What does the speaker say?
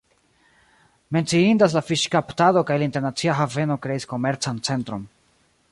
Menciindas la fiŝkaptado kaj la internacia haveno kreis komercan centron.